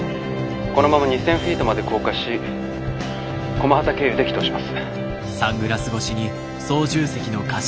このまま２，０００フィートまで降下し駒畠経由で帰投します。